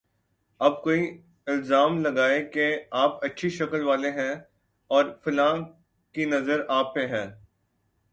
اب کوئی الزام لگائے کہ آپ اچھی شکل والے ہیں اور فلاں کی نظر آپ پہ ہے۔